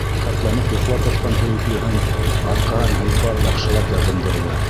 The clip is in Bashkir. Рәхәтләнеп йоҡлап ятҡан һөйөклөһөн арҡаһын һыйпап яҡшылап ябындырҙы.